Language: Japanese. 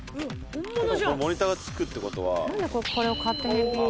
ここ、モニターが付くってことは。